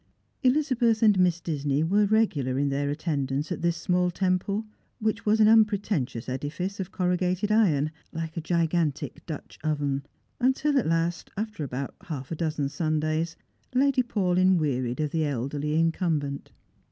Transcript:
Elizabeth and Miss Disney were regular in their attendance at this small temple, which was an unpretentious edifice of corrugated iron, like a gigantic Dutch oven, until at last, after about half a dozen Sundays, Lady Paulyn wearied of the elderly incumbent.